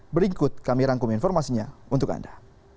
berikut kami rangkum informasinya untuk anda